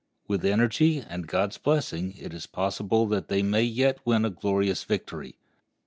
With energy and God's blessing it is possible they may yet win a glorious victory.